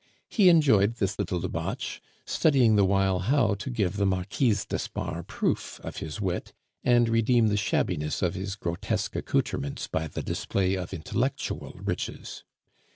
He enjoyed this little debauch, studying the while how to give the Marquise d'Espard proof of his wit, and redeem the shabbiness of his grotesque accoutrements by the display of intellectual riches.